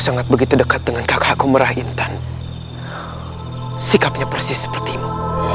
sangat begitu dekat dengan kakakku merahintan sikapnya persis sepertimu